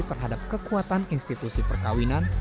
terhadap kekuatan institusi perkawinan